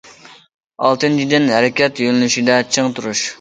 ئالتىنچىدىن، ھەرىكەت يۆنىلىشىدە چىڭ تۇرۇش.